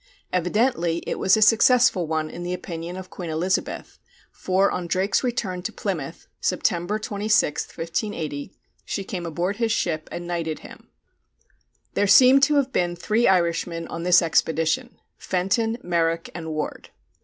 Evidently it was a successful one in the opinion of Queen Elizabeth, for on Drake's return to Plymouth, September 26, 1580, she came aboard his ship and knighted him. There seem to have been three Irishmen on this expedition, Fenton, Merrick, and Ward.